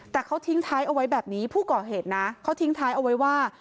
แต่เขาทิ้งท้ายเอาไว้แบบนี้ผู้ก่อเหตุนะเขาทิ้งท้ายเอาไว้ว่า